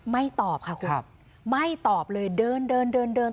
ตอบค่ะคุณไม่ตอบเลยเดินเดินเดินเดิน